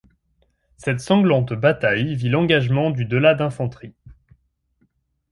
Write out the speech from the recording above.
Cette sanglante bataille vit l'engagement du de la d'infanterie.